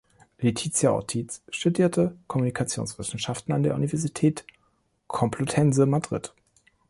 Letizia Ortiz studierte Kommunikationswissenschaften an der Universität Complutense Madrid.